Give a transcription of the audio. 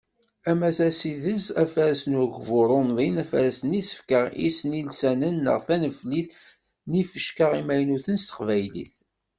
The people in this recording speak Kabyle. Ama d asideg, afares n ugbur umḍin, afares n yisefka isnilsanen neɣ taneflit n yifecka imaynuten s teqbaylit.